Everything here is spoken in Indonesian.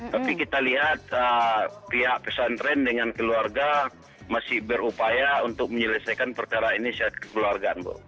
tapi kita lihat pihak pesantren dengan keluarga masih berupaya untuk menyelesaikan perkara ini secara kekeluargaan bu